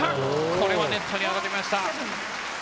これはネットに当たりました。